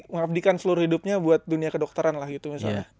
mengabdikan seluruh hidupnya buat dunia kedokteran lah gitu misalnya